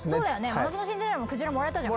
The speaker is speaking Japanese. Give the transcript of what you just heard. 『真夏のシンデレラ』もクジラもらえたじゃん。